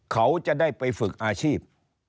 เขาจะได้ไปฝึกอาชีพ